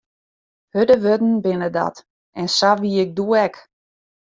Hurde wurden binne dat, en sa wie ik doe ek.